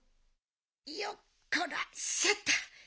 よっこらせっと。